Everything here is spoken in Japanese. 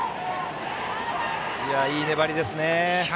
いい粘りですね。